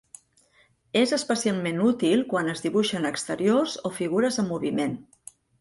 És especialment útil quan es dibuixen exteriors o figures en moviment.